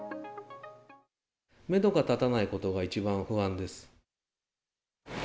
メドが立たないことが一番不安です。